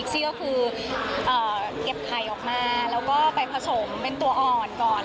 ซี่ก็คือเก็บไข่ออกมาแล้วก็ไปผสมเป็นตัวอ่อนก่อน